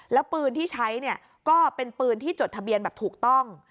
แล้วปืนที่ใช้เนี่ยก็เป็นปืนที่จดทะเบียนแบบถูกต้อง